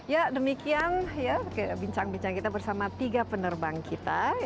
ya demikian ya bincang bincang kita bersama tiga penerbang kita